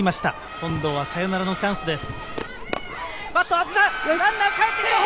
今度はサヨナラのチャンスです。